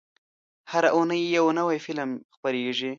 هره اونۍ یو نوی فلم خپرېږي.